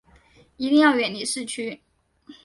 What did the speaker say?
一定要远离市区